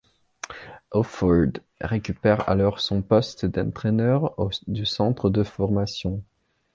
Awford récupère alors son poste d'entraîneur du centre de formation.